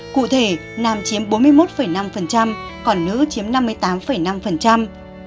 cụ thể nam chiếm bốn mươi một năm còn nữ chiếm năm mươi tám năm